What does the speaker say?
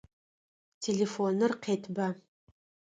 Телефоныр къетба!